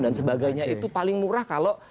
dan sebagainya itu paling murah kalau